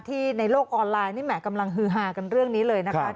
ในโลกออนไลน์นี่แห่กำลังฮือฮากันเรื่องนี้เลยนะคะ